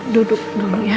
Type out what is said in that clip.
duduk dulu ya